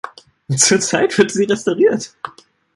Zurzeit wird sie restauriert.